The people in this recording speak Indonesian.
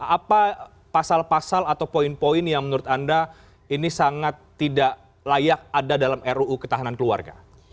apa pasal pasal atau poin poin yang menurut anda ini sangat tidak layak ada dalam ruu ketahanan keluarga